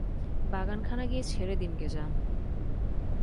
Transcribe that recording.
বাগানখানা গিয়ে ছেড়ে দিন গে যান!